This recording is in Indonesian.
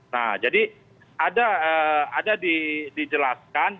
nah jadi ada dijelaskan